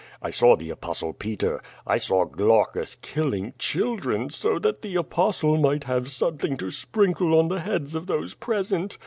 I saw the Apostle Peter. I saw Glaucus killing children so that the Apostle might have something to sprinkle on the heads of those present.